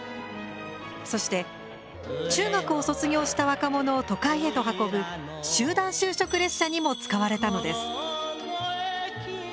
そして中学を卒業した若者を都会へと運ぶ集団就職列車にも使われたのです。